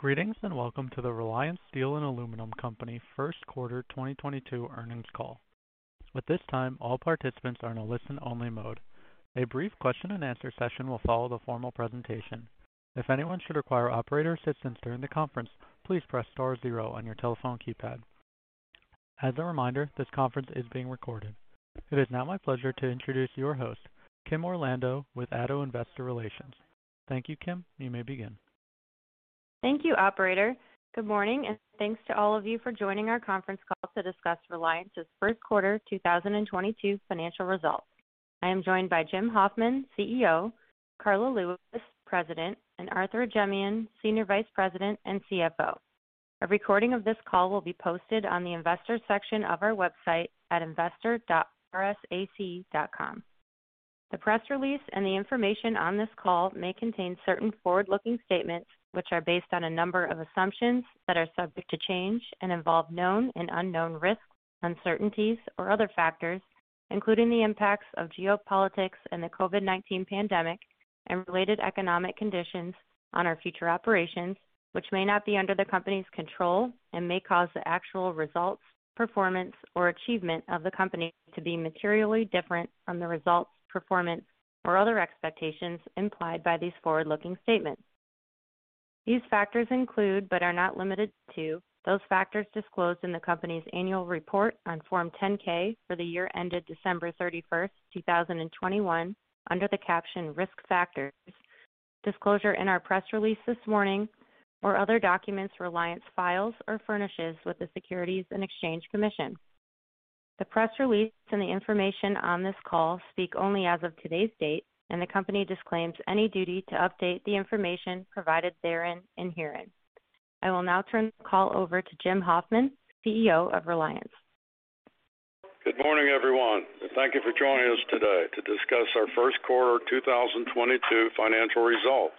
Greetings, welcome to the Reliance Steel & Aluminum Co. first 1/4 2022 earnings call. At this time, all participants are in a Listen-Only Mode. A brief Question-And-Answer session will follow the formal presentation. If anyone should require operator assistance during the conference, please press star zero on your telephone keypad. As a reminder, this conference is being recorded. It is now my pleasure to introduce your host, Kimberly Orlando with ADDO Investor Relations. Thank you, Kimberly. You may begin. Thank you, operator. Good morning, and thanks to all of you for joining our conference call to discuss Reliance's first 1/4 2022 financial results. I am joined by Jim Hoffman, CEO, Karla Lewis, President, and Arthur Ajemyan, Senior Vice President and CFO. A recording of this call will be posted on the investors section of our website at investor.rsac.com. The press release and the information on this call may contain certain Forward-Looking statements, which are based on a number of assumptions that are subject to change and involve known and unknown risks, uncertainties, or other factors, including the impacts of geopolitics and the COVID-19 pandemic and related economic conditions on our future operations, which may not be under the company's control and may cause the actual results, performance, or achievement of the company to be materially different from the results, performance, or other expectations implied by these Forward-Looking statements. These factors include, but are not limited to, those factors disclosed in the company's annual report on Form 10-K for the year ended December 31, 2021, under the caption Risk Factors, disclosure in our press release this morning, or other documents Reliance files or furnishes with the Securities and Exchange Commission. The press release and the information on this call speak only as of today's date, and the company disclaims any duty to update the information provided therein and herein. I will now turn the call over to Jim Hoffman, CEO of Reliance. Good morning, everyone, and thank you for joining us today to discuss our first 1/4 2022 financial results.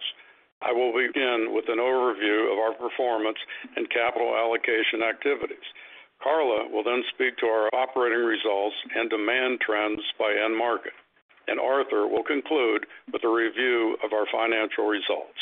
I will begin with an overview of our performance and capital allocation activities. Karla will then speak to our operating results and demand trends by end market, and Arthur will conclude with a review of our financial results.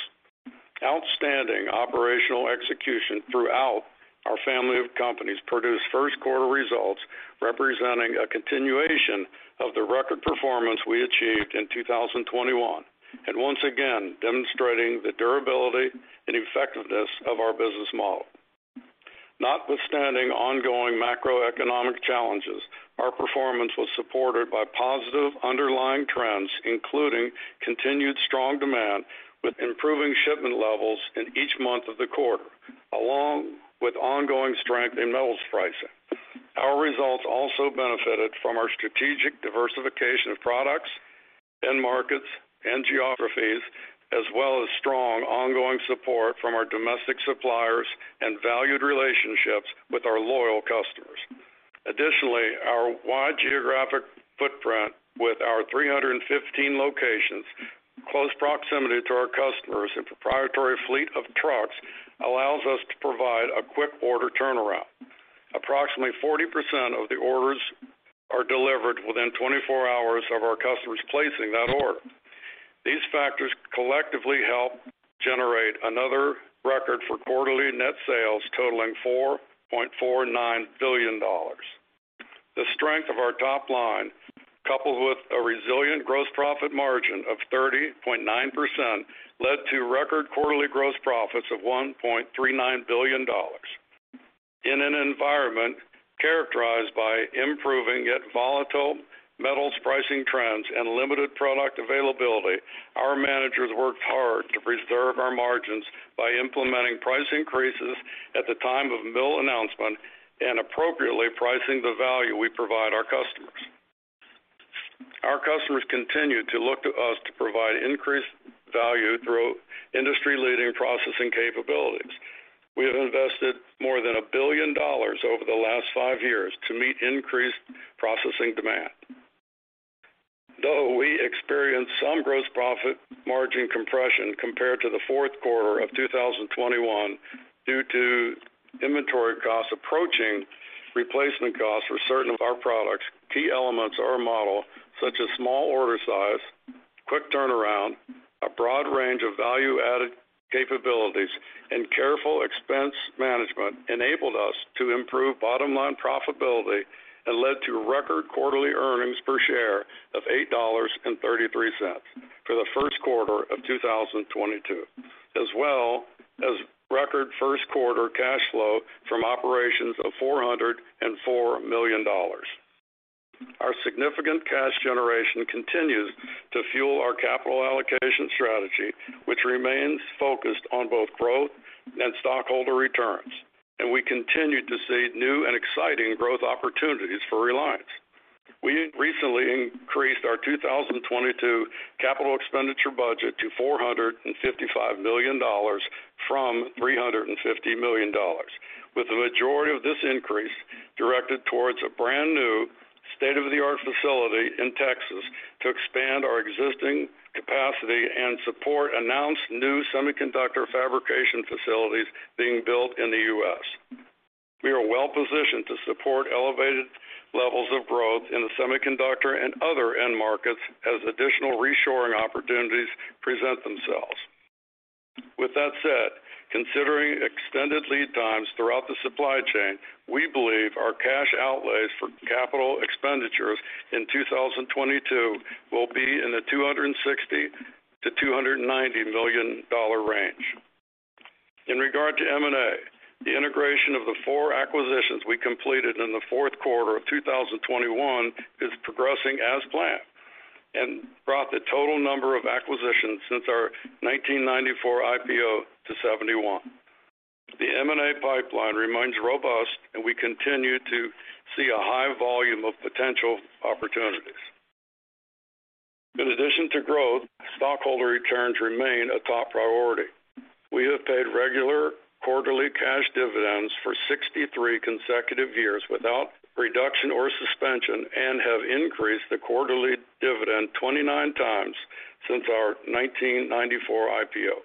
Outstanding operational execution throughout our family of companies produced first 1/4 results representing a continuation of the record performance we achieved in 2021, and once again demonstrating the durability and effectiveness of our business model. Notwithstanding ongoing macroeconomic challenges, our performance was supported by positive underlying trends, including continued strong demand with improving shipment levels in each month of the 1/4, along with ongoing strength in metals pricing. Our results also benefited from our strategic diversification of products, end markets, and geographies, as well as strong ongoing support from our domestic suppliers and valued relationships with our loyal customers. Additionally, our wide geographic footprint with our 315 locations, close proximity to our customers, and proprietary fleet of trucks allows us to provide a quick order turnaround. Approximately 40% of the orders are delivered within 24 hours of our customers placing that order. These factors collectively help generate another record for quarterly net sales totaling $4.49 billion. The strength of our top line, coupled with a resilient gross profit margin of 30.9%, led to record quarterly gross profits of $1.39 billion. In an environment characterized by improving yet volatile metals pricing trends and limited product availability, our managers worked hard to preserve our margins by implementing price increases at the time of mill announcement and appropriately pricing the value we provide our customers. Our customers continue to look to us to provide increased value through Industry-Leading processing capabilities. We have invested more than $1 billion over the last five years to meet increased processing demand. Though we experienced some gross profit margin compression compared to the fourth 1/4 of 2021 due to inventory costs approaching replacement costs for certain of our products, key elements of our model, such as small order size, quick turnaround, a broad range of Value-Added capabilities, and careful expense management, enabled us to improve bottom-line profitability and led to record quarterly earnings per share of $8.33 for the first 1/4 of 2022, as well as record first 1/4 cash flow from operations of $404 million. Our significant cash generation continues to fuel our capital allocation strategy, which remains focused on both growth and stockholder returns, and we continue to see new and exciting growth opportunities for Reliance. We recently increased our 2022 capital expenditure budget to $455 million from $350 million, with the majority of this increase directed towards a brand-new state-of-the-art facility in Texas to expand our existing capacity and support announced new semiconductor fabrication facilities being built in the US. We are well positioned to support elevated levels of growth in the semiconductor and other end markets as additional reshoring opportunities present themselves. With that said, considering extended lead times throughout the supply chain, we believe our cash outlays for capital expenditures in 2022 will be in the $260 million-$290 million range. In regard to M&A, the integration of the 4 acquisitions we completed in the fourth 1/4 of 2021 is progressing as planned and brought the total number of acquisitions since our 1994 IPO to 71. The M&A pipeline remains robust and we continue to see a high volume of potential opportunities. In addition to growth, stockholder returns remain a top priority. We have paid regular quarterly cash dividends for 63 consecutive years without reduction or suspension, and have increased the quarterly dividend 29 times since our 1994 IPO.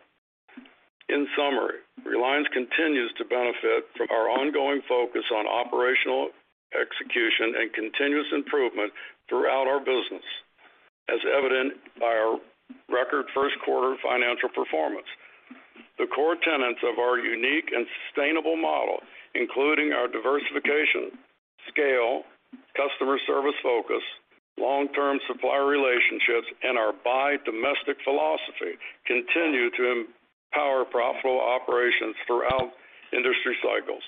In summary, Reliance continues to benefit from our ongoing focus on operational execution and continuous improvement throughout our business, as evident by our record first 1/4 financial performance. The core tenets of our unique and sustainable model, including our diversification, scale, customer service focus, long-term supplier relationships, and our buy domestic philosophy, continue to empower profitable operations throughout industry cycles.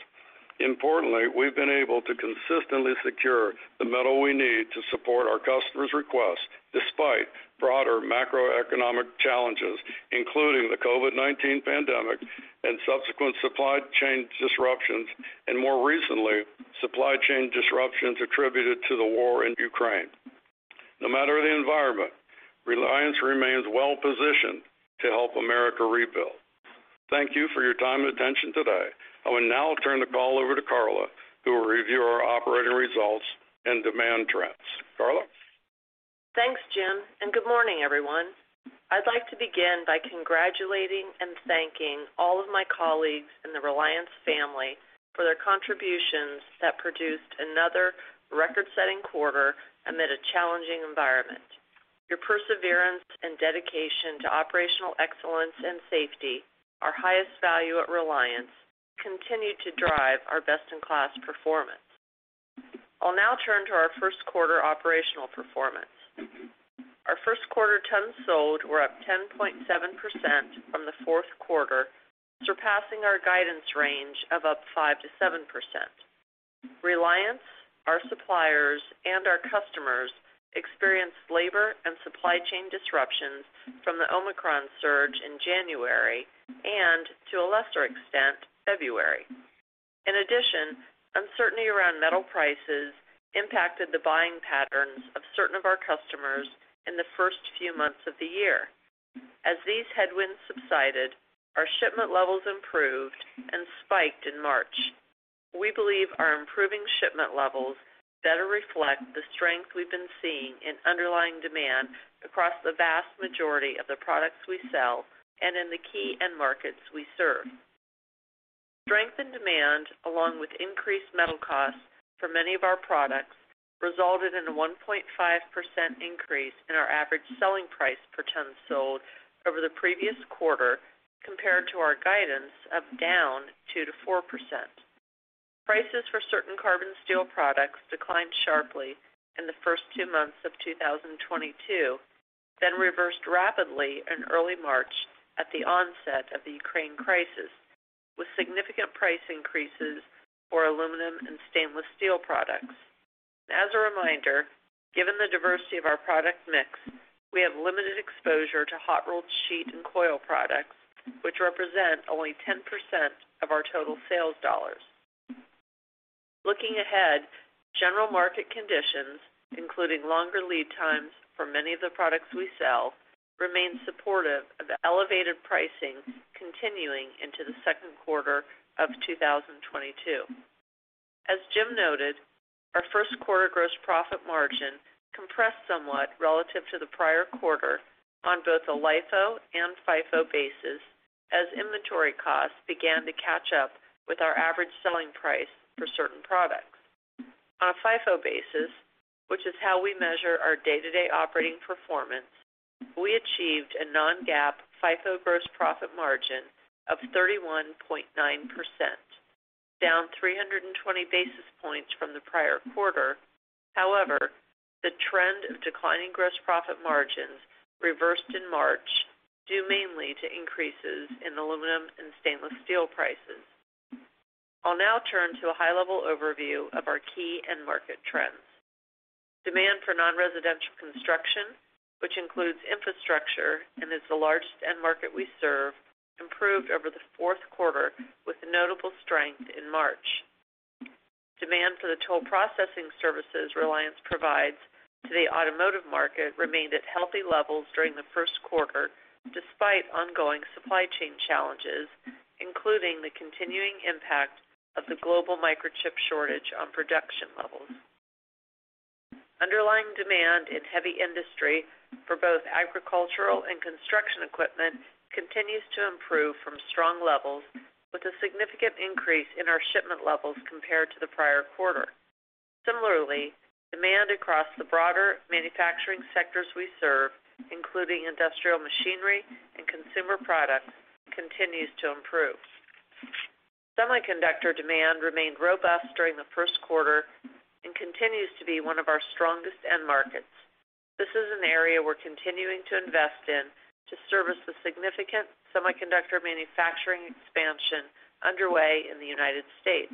Importantly, we've been able to consistently secure the metal we need to support our customers' requests despite broader macroeconomic challenges, including the COVID-19 pandemic and subsequent supply chain disruptions, and more recently, supply chain disruptions attributed to the war in Ukraine. No matter the environment, Reliance remains well-positioned to help America rebuild. Thank you for your time and attention today. I will now turn the call over to Karla, who will review our operating results and demand trends. Karla? Thanks, Jim, and good morning, everyone. I'd like to begin by congratulating and thanking all of my colleagues in the Reliance family for their contributions that produced another record-setting 1/4 amid a challenging environment. Your perseverance and dedication to operational excellence and safety, our highest value at Reliance, continued to drive our Best-In-Class performance. I'll now turn to our first 1/4 operational performance. Our first 1/4 tons sold were up 10.7% from the fourth 1/4, surpassing our guidance range of up 5%-7%. Reliance, our suppliers, and our customers experienced labor and supply chain disruptions from the Omicron surge in January and to a lesser extent, February. In addition, uncertainty around metal prices impacted the buying patterns of certain of our customers in the first few months of the year. As these headwinds subsided, our shipment levels improved and spiked in March. We believe our improving shipment levels better reflect the strength we've been seeing in underlying demand across the vast majority of the products we sell and in the key end markets we serve. Strength in demand, along with increased metal costs for many of our products, resulted in a 1.5% increase in our average selling price per ton sold over the previous 1/4 compared to our guidance of down 2%-4%. Prices for certain carbon steel products declined sharply in the first two months of 2022, then reversed rapidly in early March at the onset of the Ukraine crisis, with significant price increases for aluminum and stainless steel products. As a reminder, given the diversity of our product mix, we have limited exposure to hot-rolled sheet and coil products, which represent only 10% of our total sales dollars. Looking ahead, general market conditions, including longer lead times for many of the products we sell, remain supportive of elevated pricing continuing into the second 1/4 of 2022. As Jim noted, our first 1/4 gross profit margin compressed somewhat relative to the prior 1/4 on both a LIFO and FIFO basis as inventory costs began to catch up with our average selling price for certain products. On a FIFO basis, which is how we measure our day-to-day operating performance, we achieved a non-GAAP, FIFO gross profit margin of 31.9%, down 320 basis points from the prior 1/4. However, the trend of declining gross profit margins reversed in March, due mainly to increases in aluminum and stainless steel prices. I'll now turn to a high-level overview of our key end market trends. Demand for non-residential construction, which includes infrastructure and is the largest end market we serve, improved over the fourth 1/4 with notable strength in March. Demand for the toll processing services Reliance provides to the automotive market remained at healthy levels during the first 1/4, despite ongoing supply chain challenges, including the continuing impact of the global microchip shortage on production levels. Underlying demand in heavy industry for both agricultural and construction equipment continues to improve from strong levels with a significant increase in our shipment levels compared to the prior 1/4. Similarly, demand across the broader manufacturing sectors we serve, including industrial machinery and consumer products, continues to improve. Semiconductor demand remained robust during the first 1/4 and continues to be one of our strongest end markets. This is an area we're continuing to invest in to service the significant semiconductor manufacturing expansion underway in the United States.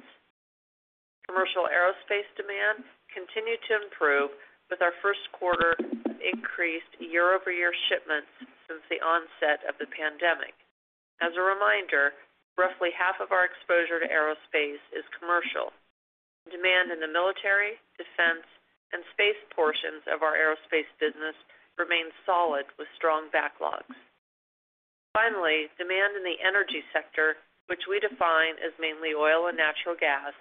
Commercial aerospace demand continued to improve with our first 1/4 increased year-over-year shipments since the onset of the pandemic. As a reminder, roughly half of our exposure to aerospace is commercial. Demand in the military, defense, and space portions of our aerospace business remains solid with strong backlogs. Finally, demand in the energy sector, which we define as mainly oil and natural gas,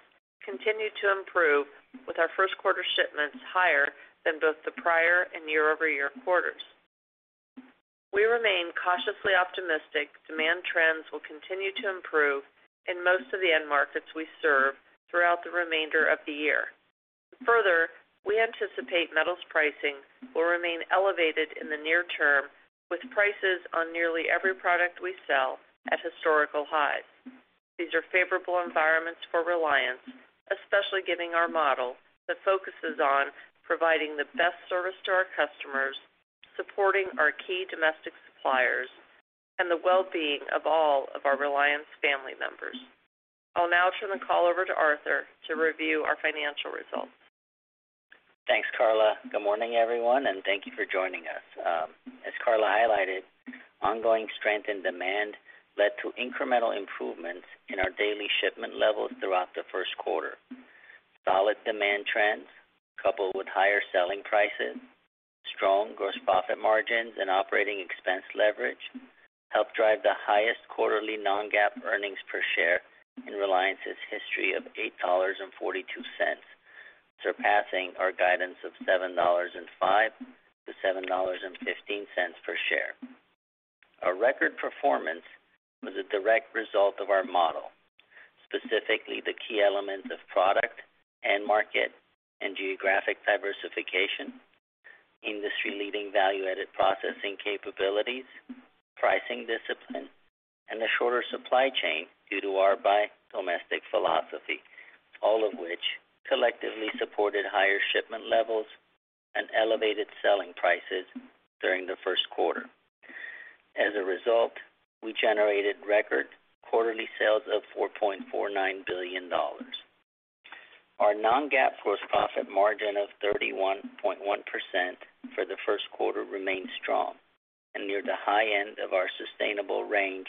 continued to improve with our first 1/4 shipments higher than both the prior and year-over-year quarters. We remain cautiously optimistic demand trends will continue to improve in most of the end markets we serve throughout the remainder of the year. Further, we anticipate metals pricing will remain elevated in the near term, with prices on nearly every product we sell at historical highs. These are favorable environments for Reliance, especially given our model that focuses on providing the best service to our customers, supporting our key domestic suppliers, and the well-being of all of our Reliance family members. I'll now turn the call over to Arthur to review our financial results. Thanks, Karla. Good morning, everyone, and thank you for joining us. As Karla highlighted, ongoing strength and demand led to incremental improvements in our daily shipment levels throughout the first 1/4. Solid demand trends coupled with higher selling prices, strong gross profit margins, and operating expense leverage helped drive the highest quarterly non-GAAP earnings per share in Reliance's history of $8.42, surpassing our guidance of $7.05-$7.15 per share. Our record performance was a direct result of our model, specifically the key elements of product, end market, and geographic diversification, Industry-Leading Value-Added processing capabilities, pricing discipline, and a shorter supply chain due to our buy domestic philosophy, all of which collectively supported higher shipment levels and elevated selling prices during the first 1/4. As a result, we generated record quarterly sales of $4.49 billion. Our non-GAAP gross profit margin of 31.1% for the first 1/4 remained strong and near the high end of our sustainable range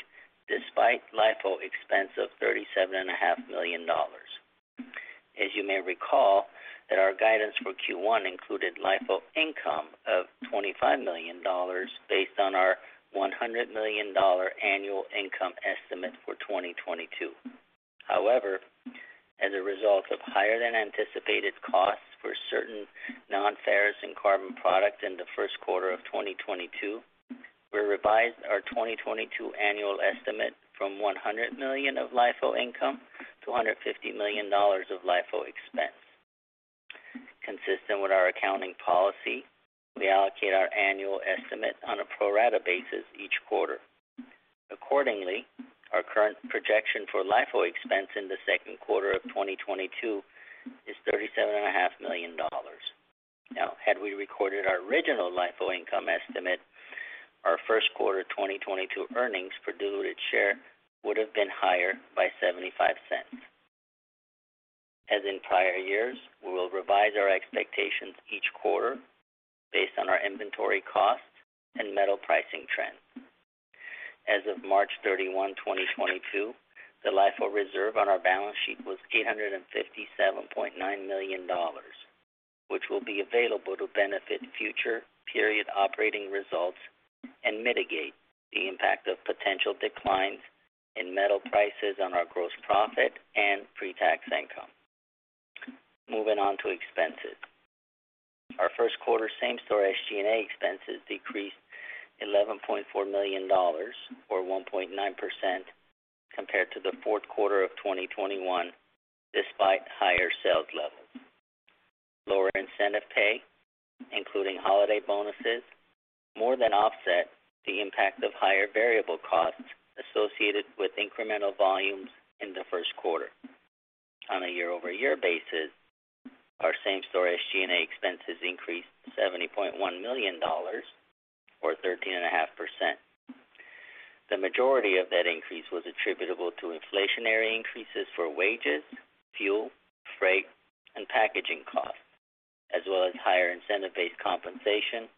despite LIFO expense of $37 and a half million. As you may recall, that our guidance for Q1 included LIFO income of $25 million based on our $100 million dollar annual income estimate for 2022. However, as a result of higher than anticipated costs for certain non-Ferrous and carbon products in the first 1/4 of 2022, we revised our 2022 annual estimate from $100 million of LIFO income to $150 million of LIFO expense. Consistent with our accounting policy, we allocate our annual estimate on a pro rata basis each 1/4. Accordingly, our current projection for LIFO expense in the second 1/4 of 2022 is $37.5 million. Now, had we recorded our original LIFO income estimate, our first 1/4 2022 earnings per diluted share would have been higher by $0.75. In prior years, we will revise our expectations each 1/4 based on our inventory costs and metal pricing trends. As of March 31, 2022, the LIFO reserve on our balance sheet was $857.9 million, which will be available to benefit future period operating results and mitigate the impact of potential declines in metal prices on our gross profit and pre-tax income. Moving on to expenses. Our first 1/4 same-store SG&A expenses decreased $11.4 million, or 1.9% compared to the fourth 1/4 of 2021 despite higher sales levels. Lower incentive pay, including holiday bonuses, more than offset the impact of higher variable costs associated with incremental volumes in the first 1/4. On a year-over-year basis, our same-store SG&A expenses increased $70.1 million or 13.5%. The majority of that increase was attributable to inflationary increases for wages, fuel, freight, and packaging costs, as well as higher incentive-based compensation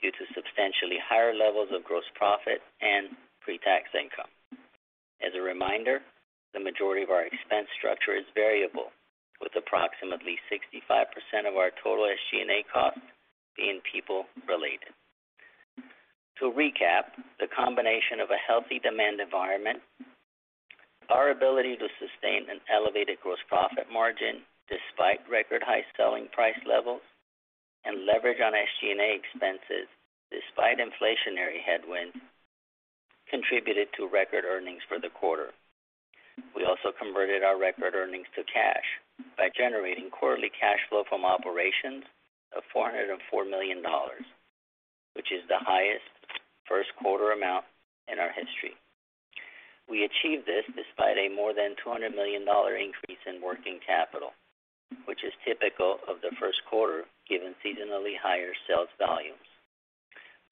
due to substantially higher levels of gross profit and pre-tax income. As a reminder, the majority of our expense structure is variable, with approximately 65% of our total SG&A costs being people-related. To recap, the combination of a healthy demand environment, our ability to sustain an elevated gross profit margin despite record high selling price levels, and leverage on SG&A expenses despite inflationary headwinds contributed to record earnings for the 1/4. We also converted our record earnings to cash by generating quarterly cash flow from operations of $404 million, which is the highest first 1/4 amount in our history. We achieved this despite a more than $200 million increase in working capital, which is typical of the first 1/4 given seasonally higher sales volumes.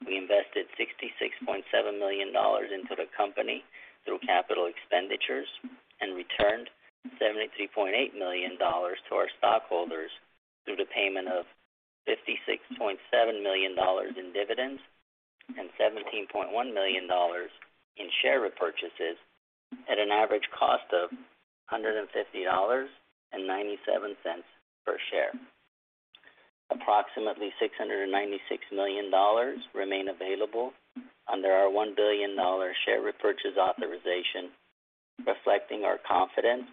We invested $66.7 million into the company through capital expenditures and returned $73.8 million to our stockholders through the payment of $56.7 million in dividends and $17.1 million in share repurchases at an average cost of $150.97 per share. Approximately $696 million remain available under our $1 billion share repurchase authorization, reflecting our confidence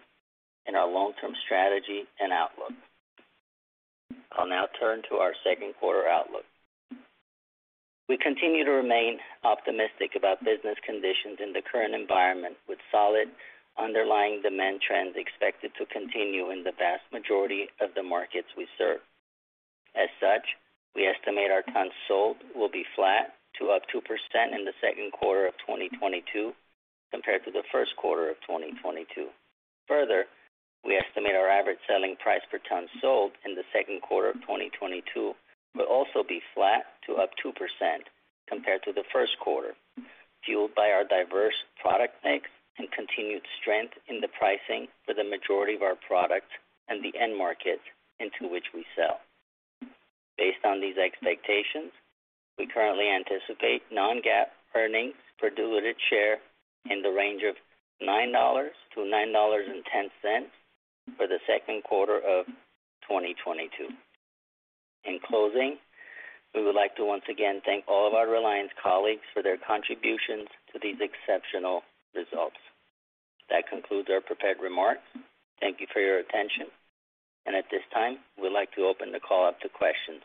in our long-term strategy and outlook. I'll now turn to our second 1/4 outlook. We continue to remain optimistic about business conditions in the current environment, with solid underlying demand trends expected to continue in the vast majority of the markets we serve. As such, we estimate our tons sold will be flat to up 2% in the second 1/4 of 2022 compared to the first 1/4 of 2022. Further, we estimate our average selling price per ton sold in the second 1/4 of 2022 will also be flat to up 2% compared to the first 1/4, fueled by our diverse product mix and continued strength in the pricing for the majority of our products and the end markets into which we sell. Based on these expectations, we currently anticipate non-GAAP earnings per diluted share in the range of $9-$9.10 for the second 1/4 of 2022. In closing, we would like to once again thank all of our Reliance colleagues for their contributions to these exceptional results. That concludes our prepared remarks. Thank you for your attention. At this time, we'd like to open the call up to questions.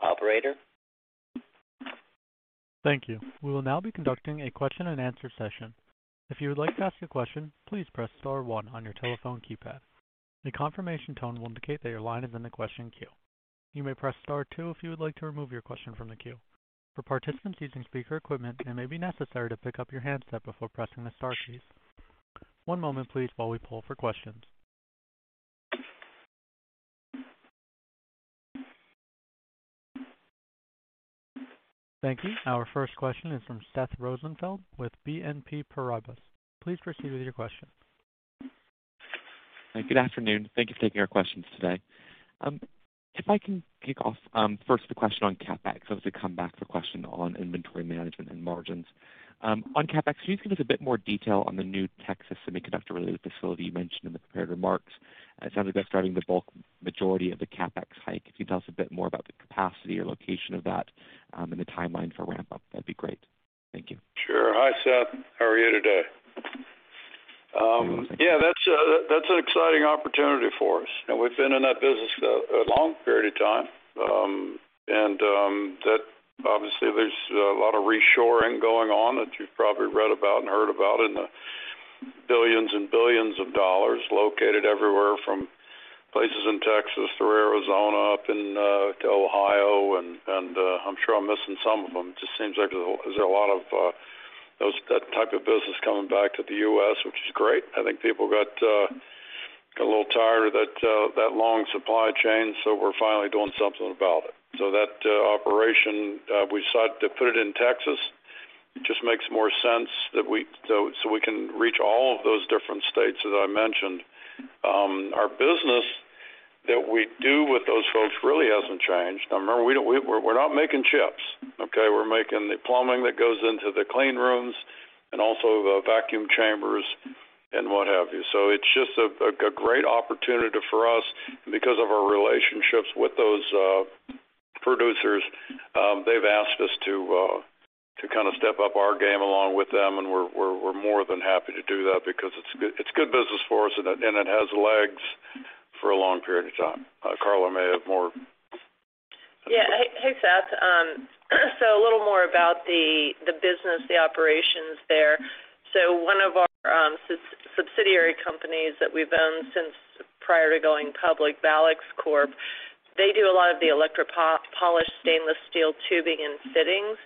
Operator? Thank you. We will now be conducting a question-and-answer session. If you would like to ask a question, please press star one on your telephone keypad. A confirmation tone will indicate that your line is in the question queue. You may press star two if you would like to remove your question from the queue. For participants using speaker equipment, it may be necessary to pick up your handset before pressing the star keys. One moment please while we poll for questions. Thank you. Our first question is from Seth Rosenfeld with BNP Paribas. Please proceed with your question. Good afternoon. Thank you for taking our questions today. If I can kick off, first with a question on CapEx, I want to come back to a question on inventory management and margins. On CapEx, can you just give us a bit more detail on the new Texas semiconductor-related facility you mentioned in the prepared remarks? It sounds like that's driving the bulk majority of the CapEx hike. Can you tell us a bit more about the capacity or location of that, and the timeline for ramp-up? That'd be great. Thank you. Sure. Hi, Seth. How are you today? Yeah, that's an exciting opportunity for us, and we've been in that business a long period of time. That obviously there's a lot of reshoring going on that you've probably read about and heard about in the billions and billions of dollars located everywhere from places in Texas through Arizona up to Ohio, and I'm sure I'm missing some of them. It seems like there's a lot of that type of business coming back to the U.S., which is great. I think people got a little tired of that long supply chain, so we're finally doing something about it. That operation we decided to put it in Texas. It just makes more sense so we can reach all of those different states, as I mentioned. Our business that we do with those folks really hasn't changed. Now remember, we're not making chips, okay? We're making the plumbing that goes into the clean rooms and also the vacuum chambers and what have you. It's just a great opportunity for us because of our relationships with those producers. They've asked us to kind of step up our game along with them, and we're more than happy to do that because it's good business for us, and it has legs for a long period of time. Karla may have more. Yeah. Hey, Seth. A little more about the business, the operations there. One of our subsidiary companies that we've owned since prior to going public, Valex Corp, they do a lot of the electropolished stainless steel tubing and fittings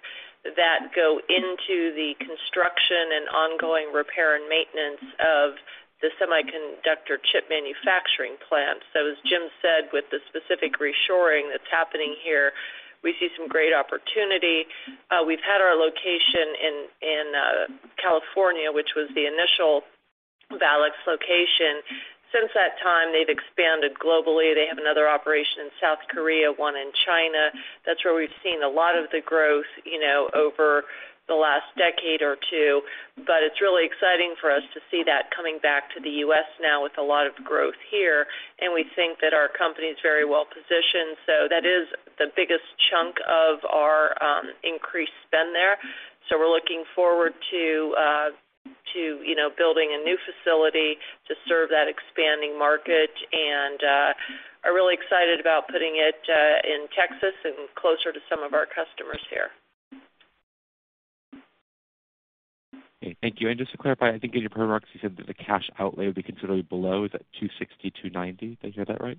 that go into the construction and ongoing repair and maintenance of the semiconductor chip manufacturing plant. As Jim said, with the specific reshoring that's happening here, we see some great opportunity. We've had our location in California, which was the initial Valex location. Since that time, they've expanded globally. They have another operation in South Korea, one in China. That's where we've seen a lot of the growth, you know, over the last decade or two, but it's really exciting for us to see that coming back to the U.S. now with a lot of growth here, and we think that our company is very well-positioned. That is the biggest chunk of our increased spend there. We're looking forward to, you know, building a new facility to serve that expanding market, and are really excited about putting it in Texas and closer to some of our customers here. Okay, thank you. Just to clarify, I think in your remarks, you said that the cash outlay would be considerably below. Is that $260, $290? Did I hear that right?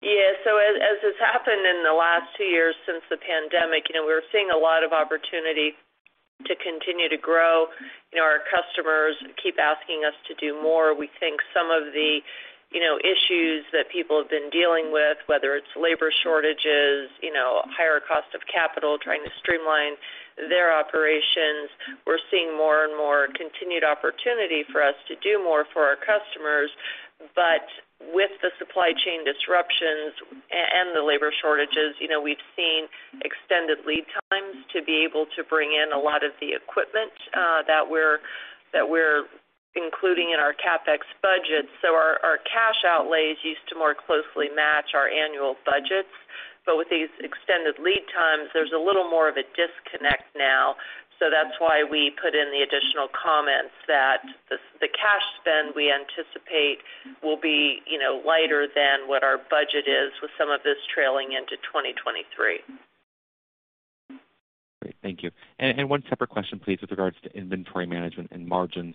Yeah. As has happened in the last two years since the pandemic, you know, we're seeing a lot of opportunity to continue to grow. You know, our customers keep asking us to do more. We think some of the, you know, issues that people have been dealing with, whether it's labor shortages, you know, higher cost of capital, trying to streamline their operations. We're seeing more and more continued opportunity for us to do more for our customers. With the supply chain disruptions and the labor shortages, you know, we've seen extended lead times to be able to bring in a lot of the equipment that we're including in our CapEx budget. Our cash outlays used to more closely match our annual budgets. With these extended lead times, there's a little more of a disconnect now. That's why we put in the additional comments that the cash spend we anticipate will be, you know, lighter than what our budget is with some of this trailing into 2023. Great. Thank you. One separate question, please, with regards to inventory management and margins.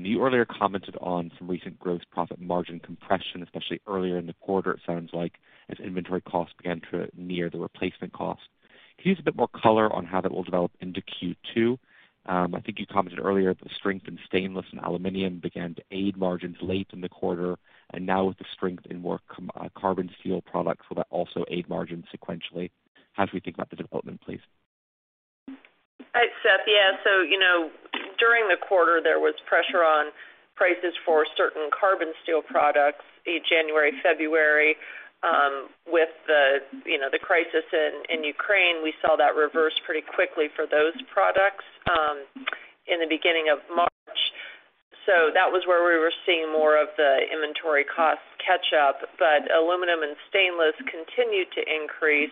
You earlier commented on some recent gross profit margin compression, especially earlier in the 1/4, it sounds like as inventory costs began to near the replacement cost. Can you give us a bit more color on how that will develop into Q2? I think you commented earlier that the strength in stainless and aluminum began to aid margins late in the 1/4, and now with the strength in more carbon steel products, will that also aid margins sequentially as we think about the development, please? Right, Seth. Yeah. You know, during the 1/4, there was pressure on prices for certain carbon steel products in January, February, with the you know the crisis in Ukraine. We saw that reverse pretty quickly for those products in the beginning of March. That was where we were seeing more of the inventory costs catch up. Aluminum and stainless continued to increase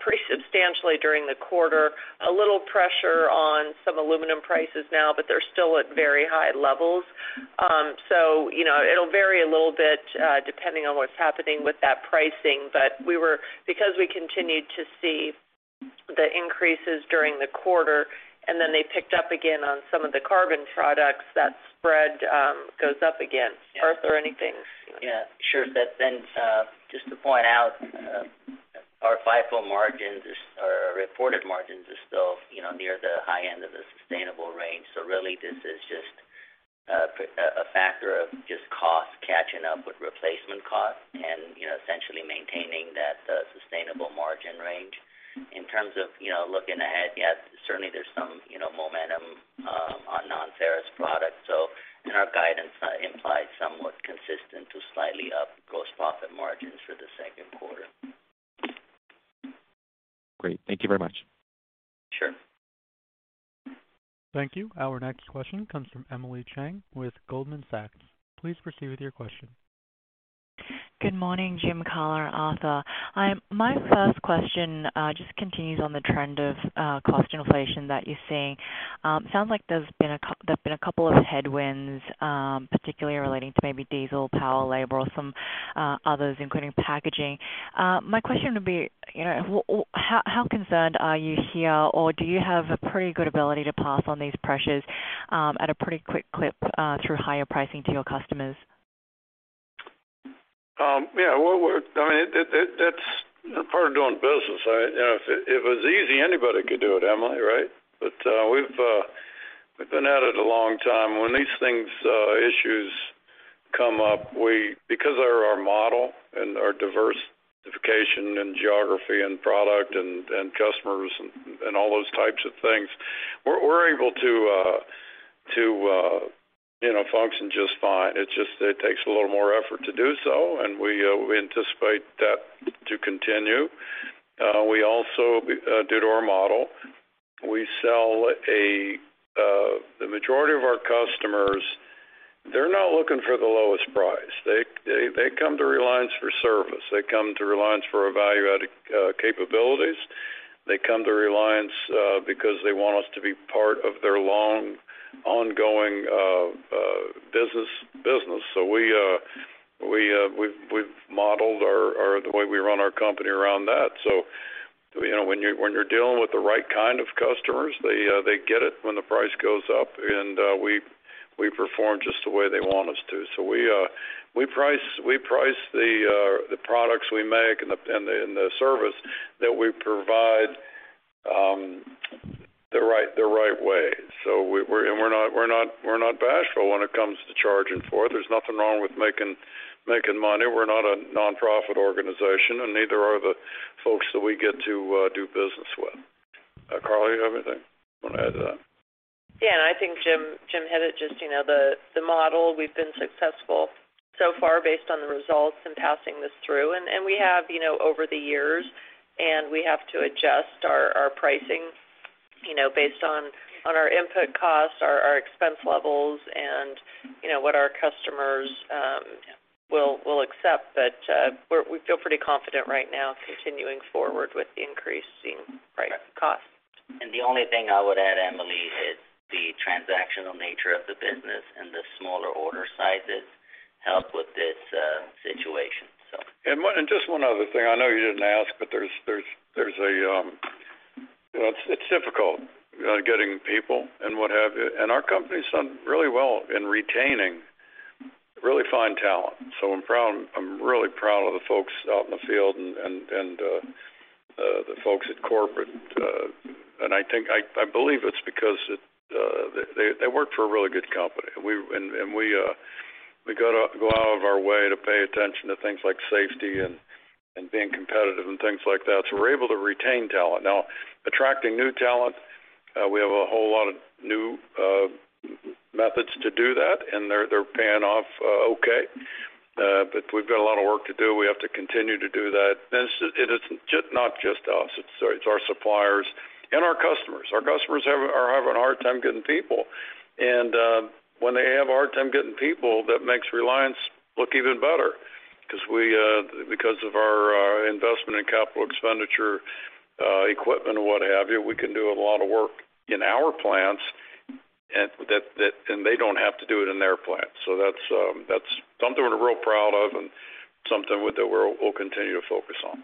pretty substantially during the 1/4. A little pressure on some aluminum prices now, but they're still at very high levels. You know, it'll vary a little bit depending on what's happening with that pricing. Because we continued to see the increases during the 1/4, and then they picked up again on some of the carbon products, that spread goes up again. Arthur, anything? Yeah, sure. Seth, just to point out, our FIFO margins or our reported margins are still, you know, near the high end of the sustainable range. Really, this is just a factor of just costs catching up with replacement costs and, you know, essentially maintaining that sustainable margin range. In terms of, you know, looking ahead, yeah, certainly there's some, you know, momentum on Non-Ferrous products. In our guidance, I implied somewhat consistent to slightly up gross profit margins for the second 1/4. Great. Thank you very much. Sure. Thank you. Our next question comes from Emily Chieng with Goldman Sachs. Please proceed with your question. Good morning, Jim, Karla, and Arthur. My first question just continues on the trend of cost inflation that you're seeing. Sounds like there've been a couple of headwinds, particularly relating to maybe diesel, power, labor, or some others, including packaging. My question would be, you know, how concerned are you here, or do you have a pretty good ability to pass on these pressures at a pretty quick clip through higher pricing to your customers? Yeah, well, I mean, it's part of doing business, right? You know, if it was easy, anybody could do it, Emily, right? But we've been at it a long time. When these issues come up, because our model and our diversification and geography and product and customers and all those types of things, we're able to you know, function just fine. It's just it takes a little more effort to do so, and we anticipate that to continue. We also, due to our model, we sell to the majority of our customers, they're not looking for the lowest price. They come to Reliance for service. They come to Reliance for Value-Added capabilities. They come to Reliance because they want us to be part of their long, ongoing business. We've modeled the way we run our company around that. You know, when you're dealing with the right kind of customers, they get it when the price goes up, and we perform just the way they want us to. We price the products we make and the service that we provide the right way. We're not bashful when it comes to charging for it. There's nothing wrong with making money. We're not a nonprofit organization, and neither are the folks that we get to do business with. Karla, you have anything you wanna add to that? Yeah, I think Jim hit it just, you know, the model we've been successful so far based on the results and passing this through. We have you know over the years and we have to adjust our pricing you know based on our input costs, our expense levels and you know what our customers will accept. We feel pretty confident right now continuing forward with increasing price costs. The only thing I would add, Emily, is the transactional nature of the business and the smaller order sizes help with this situation, so. Just one other thing. I know you didn't ask, but there's a, you know, it's difficult, you know, getting people and what have you. Our company's done really well in retaining really fine talent. I'm really proud of the folks out in the field and the folks at corporate. I believe it's because they work for a really good company. We go out of our way to pay attention to things like safety and being competitive and things like that. We're able to retain talent. Now attracting new talent, we have a whole lot of new methods to do that, and they're paying off, okay. We've got a lot of work to do. We have to continue to do that. It is just not just us, it's our suppliers and our customers. Our customers are having a hard time getting people. When they have a hard time getting people, that makes Reliance look even better because of our investment in capital expenditure, equipment and what have you, we can do a lot of work in our plants and they don't have to do it in their plants. That's something we're real proud of and something that we'll continue to focus on.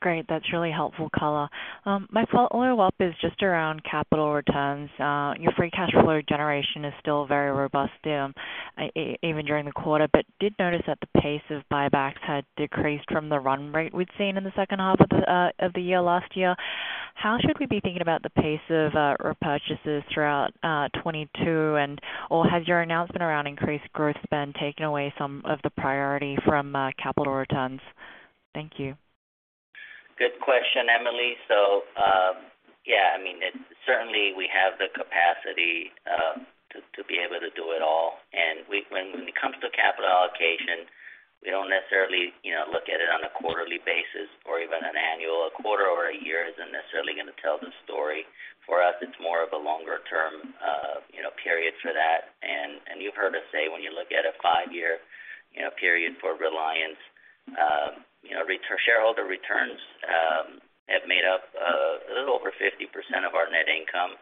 Great. That's really helpful color. My Follow-Up is just around capital returns. Your free cash flow generation is still very robust, even during the 1/4, but did notice that the pace of buybacks had decreased from the run rate we'd seen in the second half of the year last year. How should we be thinking about the pace of repurchases throughout 2022? Has your announcement around increased growth spend taken away some of the priority from capital returns? Thank you. Good question, Emily. Yeah, I mean, it's certainly we have the capacity to be able to do it all. When it comes to capital allocation, we don't necessarily, you know, look at it on a quarterly basis or even an annual. A 1/4 or a year isn't necessarily gonna tell the story. For us, it's more of a longer term, you know, period for that. You've heard us say when you look at a Five-year, you know, period for Reliance, you know, shareholder returns have made up a little over 50% of our net income.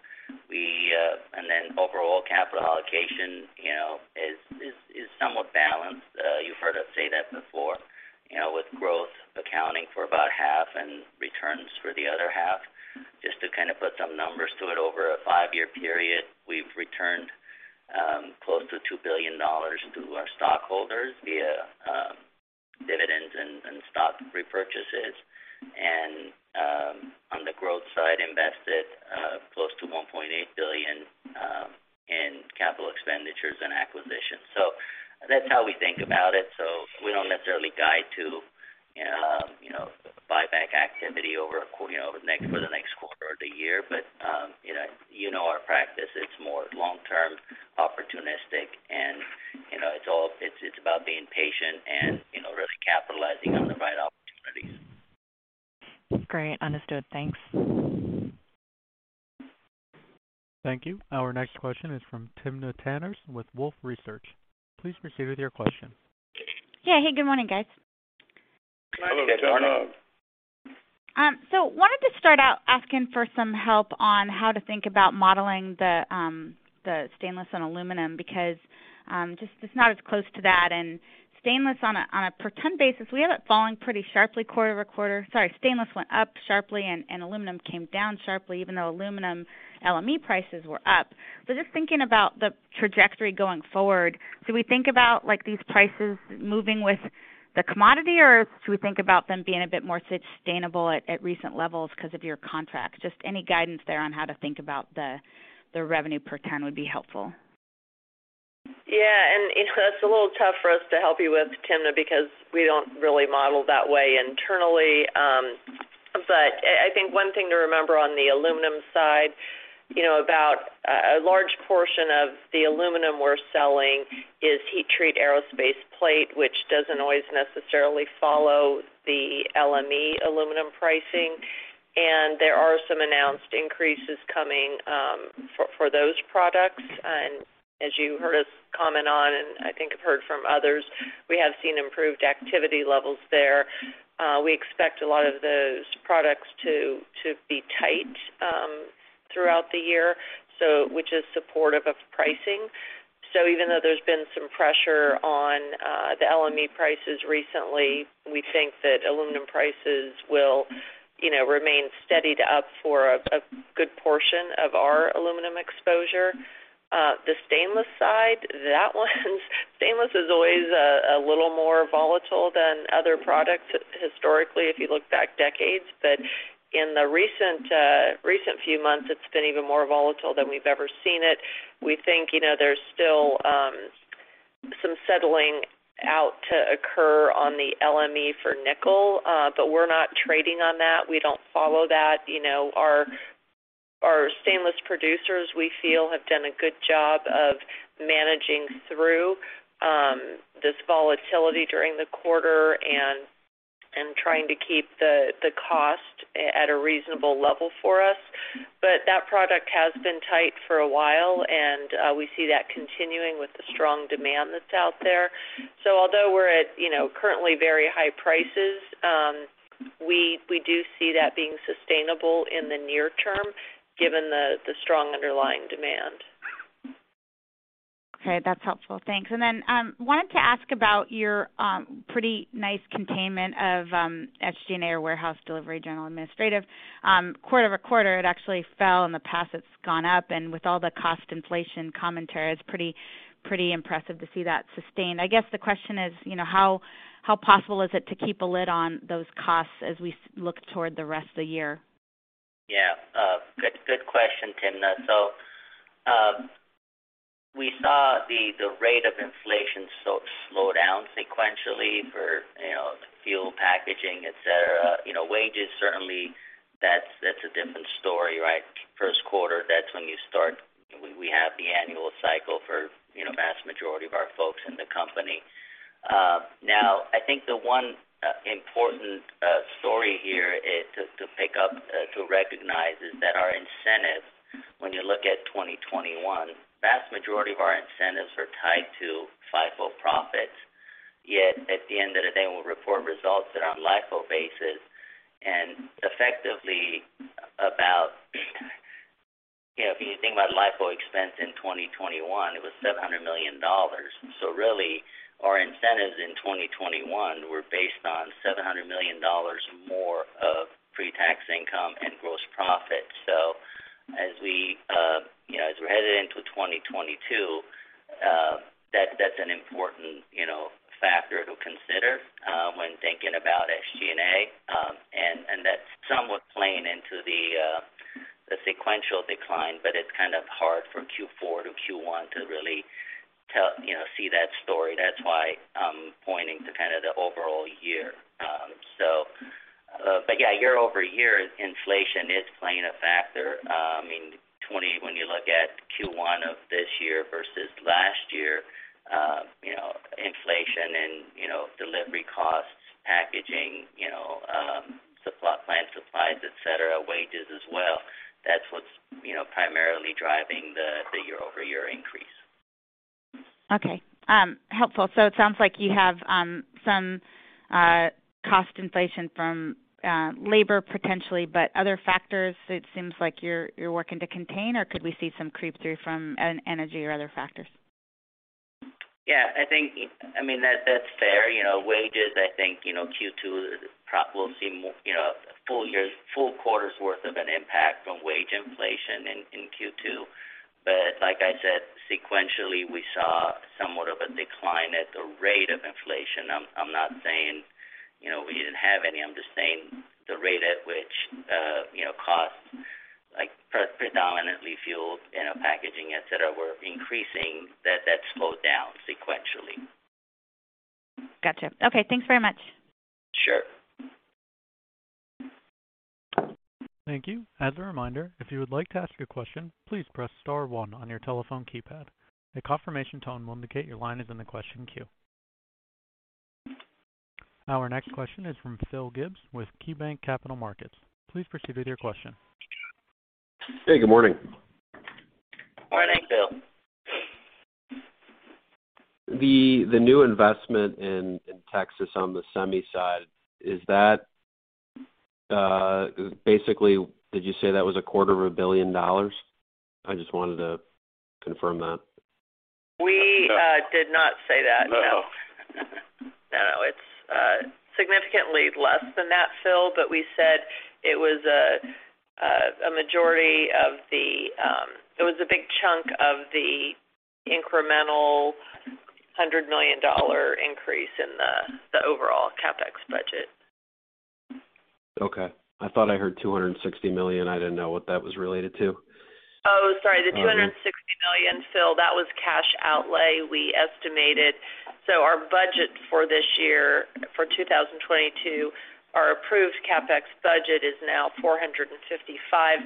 We and then overall capital allocation, you know, is somewhat balanced. You've heard us say that before, you know, with growth accounting for about half and returns for the other half. Just to kind of put some numbers to it, over a 5-year period, we've returned close to $2 billion to our stockholders via dividends and stock repurchases. On the growth side, invested close to $1.8 billion in capital expenditures and acquisitions. That's how we think about it. We don't necessarily guide to you know, buyback activity you know, for the next 1/4 or the year. You know our practice, it's more long-term opportunistic and you know, it's all about being patient and you know, really capitalizing on the right opportunities. Great. Understood. Thanks. Thank you. Our next question is from Timna Tanners with Wolfe Research. Please proceed with your question. Yeah. Hey, good morning, guys. Hello, Timna. Good morning. Wanted to start out asking for some help on how to think about modeling the stainless and aluminum because just it's not as close to that. Stainless on a per ton basis, we have it falling pretty sharply 1/4-over-quarter. Sorry, stainless went up sharply and aluminum came down sharply even though aluminum LME prices were up. Just thinking about the trajectory going forward, do we think about like these prices moving with the commodity, or should we think about them being a bit more sustainable at recent levels because of your contracts? Just any guidance there on how to think about the revenue per ton would be helpful. Yeah. You know, that's a little tough for us to help you with Timna because we don't really model that way internally. I think one thing to remember on the aluminum side, you know about a large portion of the aluminum we're selling is heat treat aerospace plate, which doesn't always necessarily follow the LME aluminum pricing. There are some announced increases coming for those products. As you heard us comment on, and I think you've heard from others, we have seen improved activity levels there. We expect a lot of those products to be tight throughout the year, so, which is supportive of pricing. Even though there's been some pressure on the LME prices recently, we think that aluminum prices will, you know, remain steadied up for a good portion of our aluminum exposure. The stainless side, that one stainless is always a little more volatile than other products historically, if you look back decades. In the recent few months, it's been even more volatile than we've ever seen it. We think, you know, there's still some settling out to occur on the LME for nickel. We're not trading on that. We don't follow that. You know, our stainless producers, we feel, have done a good job of managing through this volatility during the 1/4 and trying to keep the cost at a reasonable level for us. That product has been tight for a while, and we see that continuing with the strong demand that's out there. Although we're at, you know, currently very high prices, we do see that being sustainable in the near term given the strong underlying demand. Okay. That's helpful. Thanks. Wanted to ask about your pretty nice containment of SG&A or selling, general and administrative. Quarter-over-1/4, it actually fell. In the past, it's gone up. With all the cost inflation commentary, it's pretty impressive to see that sustained. I guess the question is, you know, how possible is it to keep a lid on those costs as we look toward the rest of the year? Yeah. Good question, Timna. So, we saw the rate of inflation slow down sequentially for, you know, the fuel packaging, et cetera. You know, wages certainly, that's a different story, right? First 1/4, that's when you start. We have the annual cycle for, you know, vast majority of our folks in the company. Now, I think the one important story here is to recognize that our incentive, when you look at 2021, vast majority of our incentives are tied to FIFO profits. Yet at the end of the day, we'll report results that are on LIFO basis. Effectively, about, you know, if you think about LIFO expense in 2021, it was $700 million. Really, our incentives in 2021 were based on $700 million more of pre-tax income and gross profit. As we're headed into 2022, that's an important factor to consider when thinking about SG&A. That's somewhat playing into the sequential decline, but it's kind of hard from Q4 to Q1 to really tell you know see that story. That's why I'm pointing to kind of the overall year. Yeah, year-over-year, inflation is playing a factor. I mean, when you look at Q1 of this year versus last year, you know, inflation and delivery costs, packaging, plant supplies, et cetera, wages as well, that's what's primarily driving the year-over-year increase. Okay. Helpful. It sounds like you have some cost inflation from labor potentially, but other factors it seems like you're working to contain, or could we see some creep through from energy or other factors? I mean, that's fair. You know, wages, I think, you know, Q2 we'll see more, you know, full 1/4's worth of an impact from wage inflation in Q2. Like I said, sequentially, we saw somewhat of a decline at the rate of inflation. I'm not saying, you know, we didn't have any. I'm just saying the rate at which, you know, costs like predominantly fuel, you know, packaging, et cetera, were increasing, that slowed down sequentially. Gotcha. Okay. Thanks very much. Sure. Thank you. As a reminder, if you would like to ask a question, please press star one on your telephone keypad. A confirmation tone will indicate your line is in the question queue. Our next question is from Phil Gibbs with KeyBanc Capital Markets. Please proceed with your question. Hey, good morning. Morning, Phil. The new investment in Texas on the semi side, is that basically, did you say that was a 1/4 of a billion dollars? I just wanted to confirm that. We did not say that, no. No. No, no. It's significantly less than that, Phil, but we said it was a big chunk of the incremental $100 million increase in the overall CapEx budget. Okay. I thought I heard $260 million. I didn't know what that was related to. Oh, sorry. All right. The $260 million, Phil, that was cash outlay we estimated. Our budget for this year, for 2022, our approved CapEx budget is now $455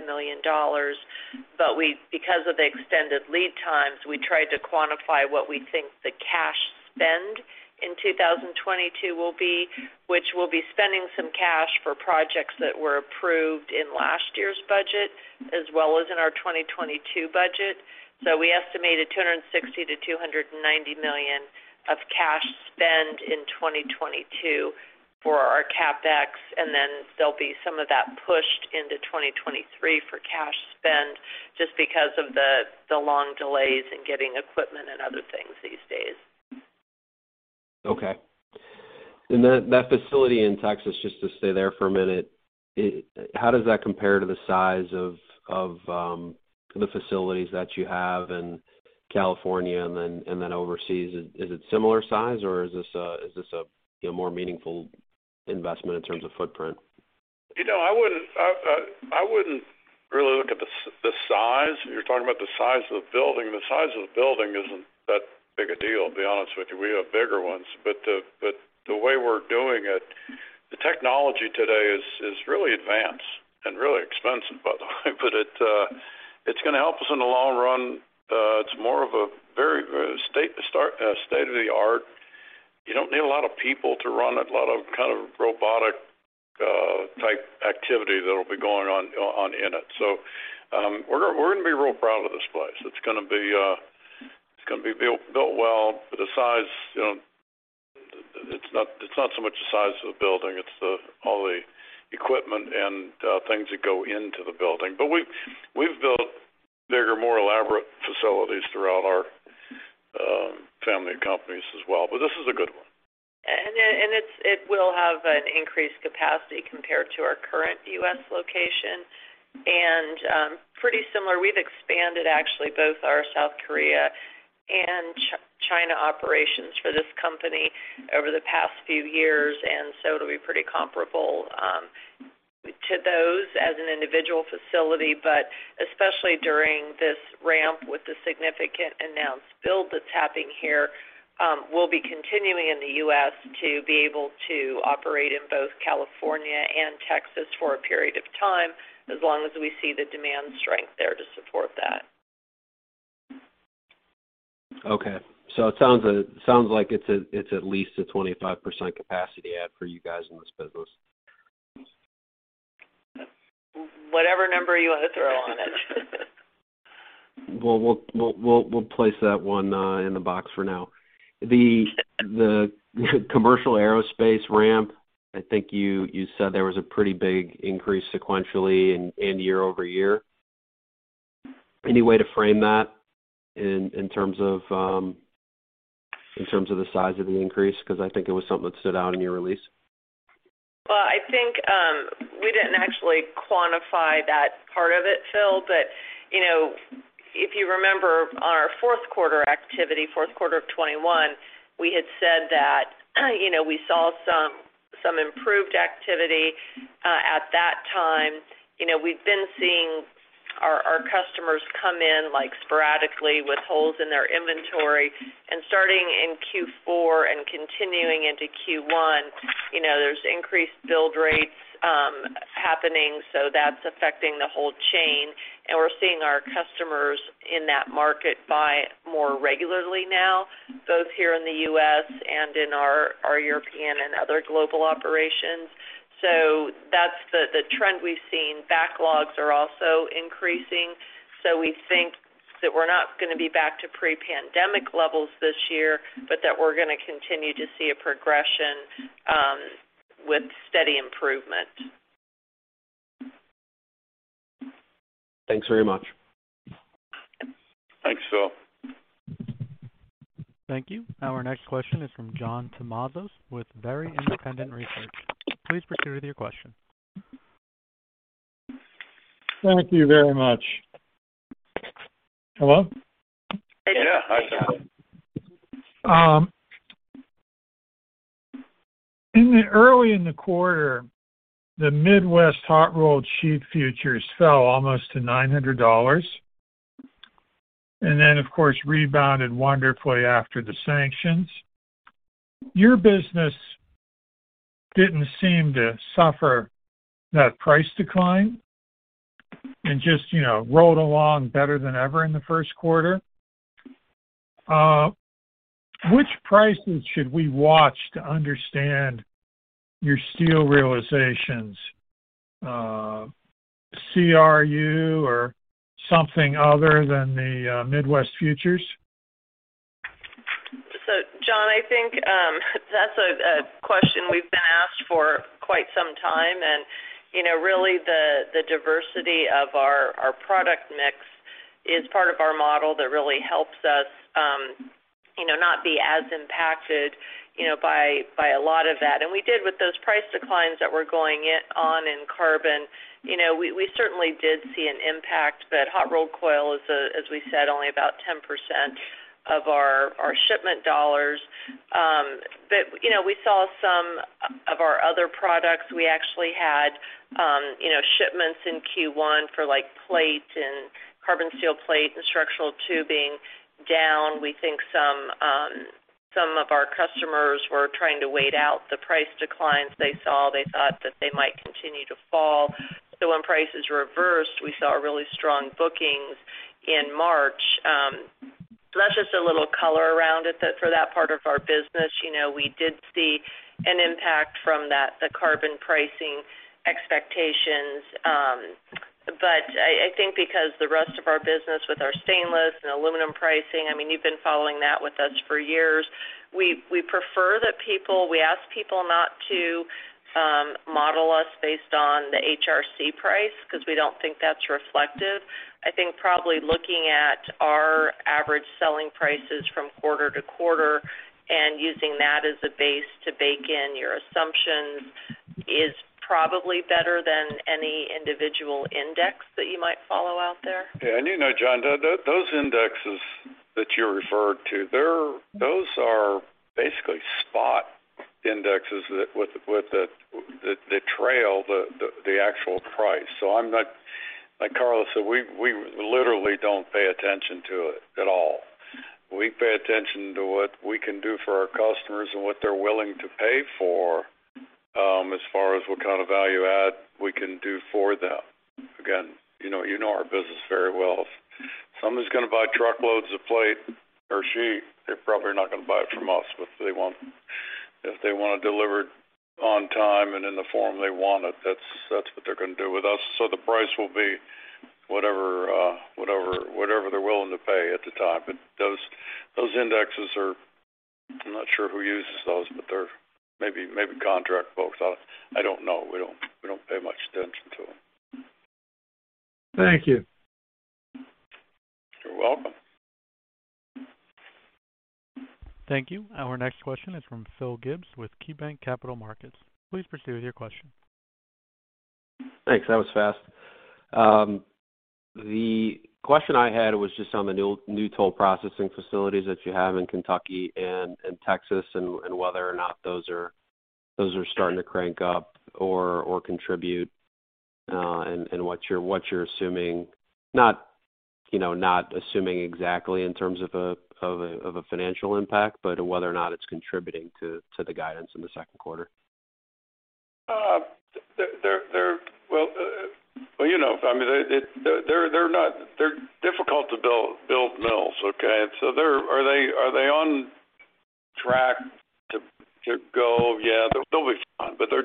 million. We, because of the extended lead times, we tried to quantify what we think the cash spend in 2022 will be, which we'll be spending some cash for projects that were approved in last year's budget as well as in our 2022 budget. We estimated $260 million-$290 million of cash spend in 2022 for our CapEx, and then there'll be some of that pushed into 2023 for cash spend just because of the long delays in getting equipment and other things these days. Okay. That facility in Texas, just to stay there for a minute, how does that compare to the size of the facilities that you have in California and then overseas? Is it similar size, or is this a, you know, more meaningful investment in terms of footprint? You know, I wouldn't really look at the size. You're talking about the size of the building. The size of the building isn't that big a deal, to be honest with you. We have bigger ones. The way we're doing it, the technology today is really advanced and really expensive, by the way, but it's gonna help us in the long run. It's more of a very state-of-the-art. You don't need a lot of people to run it, a lot of kind of robotic type activity that'll be going on in it. We're gonna be real proud of this place. It's gonna be built well. The size, you know, it's not so much the size of the building, it's the, all the equipment and, things that go into the building. We've built bigger, more elaborate facilities throughout our, family of companies as well. This is a good one. It will have an increased capacity compared to our current U.S. location. Pretty similar, we've expanded actually both our South Korea and China operations for this company over the past few years, and so it'll be pretty comparable to those as an individual facility. Especially during this ramp with the significant announced build that's happening here, we'll be continuing in the U.S. to be able to operate in both California and Texas for a period of time, as long as we see the demand strength there to support that. It sounds like it's at least a 25% capacity add for you guys in this business. Whatever number you wanna throw on it. Well, we'll place that one in the box for now. The commercial aerospace ramp, I think you said there was a pretty big increase sequentially and year over year. Any way to frame that in terms of the size of the increase? 'Cause I think it was something that stood out in your release. Well, I think we didn't actually quantify that part of it, Phil. You know, if you remember our fourth 1/4 activity, fourth 1/4 of 2021, we had said that, you know, we saw some improved activity at that time. You know, we've been seeing our customers come in, like, sporadically with holes in their inventory. Starting in Q4 and continuing into Q1, you know, there's increased build rates happening, so that's affecting the whole chain. We're seeing our customers in that market buy more regularly now, both here in the U.S. and in our European and other global operations. That's the trend we've seen. Backlogs are also increasing. We think that we're not gonna be back to Pre-Pandemic levels this year, but that we're gonna continue to see a progression with steady improvement. Thanks very much. Thanks, Phil. Thank you. Our next question is from John Tumazos with Very Independent Research. Please proceed with your question. Thank you very much. Hello? Yeah. Hi, John. Early in the 1/4, the Midwest hot-rolled coil steel futures fell almost to $900, and then, of course, rebounded wonderfully after the sanctions. Your business didn't seem to suffer that price decline and just, you know, rolled along better than ever in the first 1/4. Which prices should we watch to understand your steel realizations? CRU or something other than the Midwest futures? John, I think, that's a question we've been asked for quite some time. You know, really the diversity of our product mix is part of our model that really helps us, you know, not be as impacted, you know, by a lot of that. We did with those price declines that were going on in carbon. You know, we certainly did see an impact, but hot-rolled coil is, as we said, only about 10% of our shipment dollars. But you know, we saw some of our other products. We actually had shipments in Q1 for like plate and carbon steel plate and structural tubing down. We think some of our customers were trying to wait out the price declines they saw. They thought that they might continue to fall. When prices reversed, we saw really strong bookings in March. That's just a little color around that for that part of our business. You know, we did see an impact from that, the carbon pricing expectations. I think because the rest of our business with our stainless and aluminum pricing, I mean, you've been following that with us for years. We ask people not to model us based on the HRC price because we don't think that's reflective. I think probably looking at our average selling prices from 1/4 to 1/4 and using that as a base to bake in your assumptions is probably better than any individual index that you might follow out there. Yeah. You know, John, those indexes that you referred to. They're basically spot indexes that trail the actual price. So I'm not. Like Karla Lewis said, we literally don't pay attention to it at all. We pay attention to what we can do for our customers and what they're willing to pay for as far as what kind of value add we can do for them. Again, you know our business very well. If somebody's gonna buy truckloads of plate or sheet, they're probably not gonna buy it from us, but if they want it delivered on time and in the form they want it, that's what they're gonna do with us. So the price will be whatever they're willing to pay at the time. Those indexes are. I'm not sure who uses those, but they're maybe contract folks. I don't know. We don't pay much attention to them. Thank you. You're welcome. Thank you. Our next question is from Phil Gibbs with KeyBanc Capital Markets. Please proceed with your question. Thanks. That was fast. The question I had was just on the new toll processing facilities that you have in Kentucky and in Texas, and whether or not those are starting to crank up or contribute, and what you're assuming. Not, you know, not assuming exactly in terms of a financial impact, but whether or not it's contributing to the guidance in the second 1/4. Well, you know, I mean, they're not. They're difficult to build mills, okay? Are they on track to go? Yeah, they'll be fine, but they're.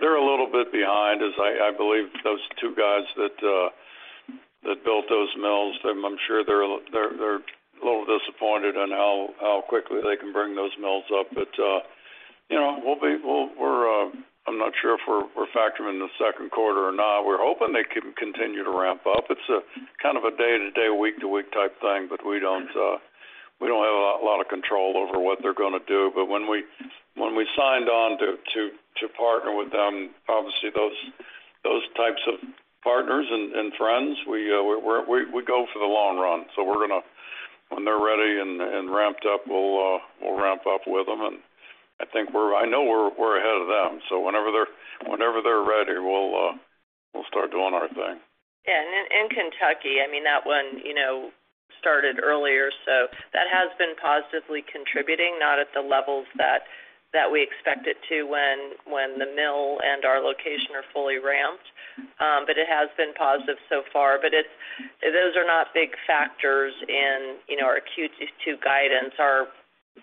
They're a little bit behind as I believe those two guys that built those mills. I'm sure they're a little disappointed on how quickly they can bring those mills up. You know, we're. I'm not sure if we're factoring in the second 1/4 or not. We're hoping they can continue to ramp up. It's kind of a day-to-day, week-to-week type thing, but we don't have a lot of control over what they're gonna do. When we signed on to partner with them, obviously those types of partners and friends, we go for the long run. When they're ready and ramped up, we'll ramp up with them. I know we're ahead of them, so whenever they're ready, we'll start doing our thing. Yeah. In Kentucky, I mean, that one, you know, started earlier, so that has been positively contributing, not at the levels that we expect it to when the mill and our location are fully ramped, but it has been positive so far. Those are not big factors in, you know, our Q2 guidance.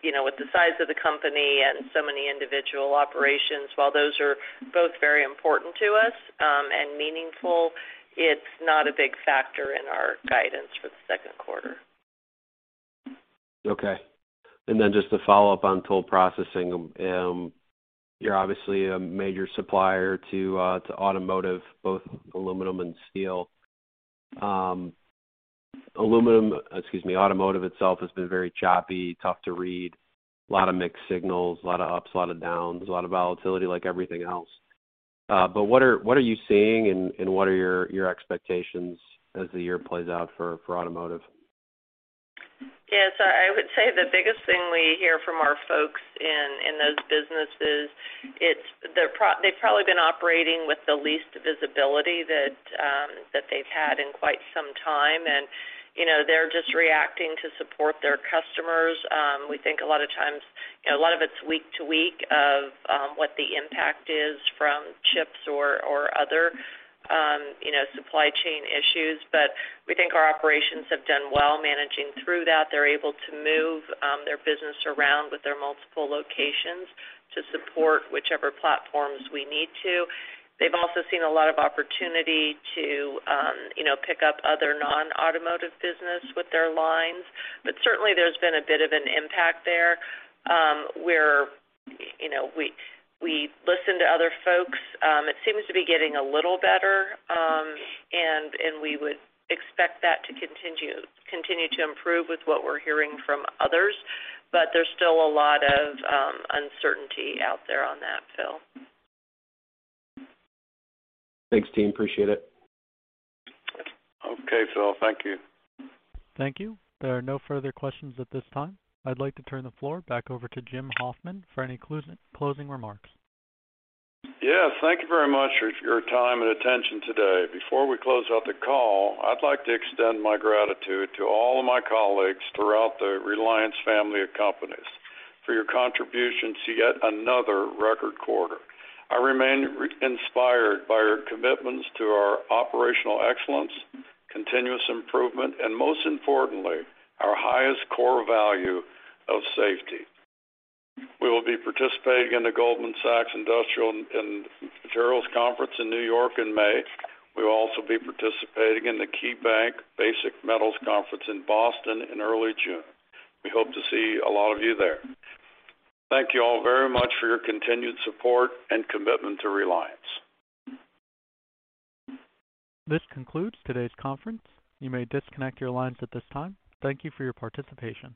You know, with the size of the company and so many individual operations, while those are both very important to us, and meaningful, it's not a big factor in our guidance for the second 1/4. Okay. Just to follow up on toll processing. You're obviously a major supplier to automotive, both aluminum and steel. Automotive itself has been very choppy, tough to read. Lot of mixed signals, a lot of ups, a lot of downs, a lot of volatility like everything else. But what are you seeing and what are your expectations as the year plays out for automotive? Yes, I would say the biggest thing we hear from our folks in those businesses. It's that they've probably been operating with the least visibility that they've had in quite some time. You know, they're just reacting to support their customers. We think a lot of times, you know, a lot of it's week to week of what the impact is from chips or other, you know, supply chain issues. We think our operations have done well managing through that. They're able to move their business around with their multiple locations to support whichever platforms we need to. They've also seen a lot of opportunity to, you know, pick up other non-automotive business with their lines. Certainly, there's been a bit of an impact there, where, you know, we listen to other folks. It seems to be getting a little better, and we would expect that to continue to improve with what we're hearing from others. There's still a lot of uncertainty out there on that, Phil. Thanks, team. Appreciate it. Okay, Phil. Thank you. Thank you. There are no further questions at this time. I'd like to turn the floor back over to Jim Hoffman for any closing remarks. Yes, thank you very much for your time and attention today. Before we close out the call, I'd like to extend my gratitude to all of my colleagues throughout the Reliance family of companies for your contribution to yet another record 1/4. I remain inspired by your commitments to our operational excellence, continuous improvement, and most importantly, our highest core value of safety. We will be participating in the Goldman Sachs Industrials and Materials Conference in New York in May. We will also be participating in the KeyBanc Basic Metals Conference in Boston in early June. We hope to see a lot of you there. Thank you all very much for your continued support and commitment to Reliance. This concludes today's conference. You may disconnect your lines at this time. Thank you for your participation.